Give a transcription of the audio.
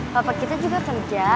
papa kita juga kerja